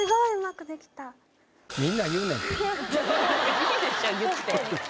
良いでしょ言って。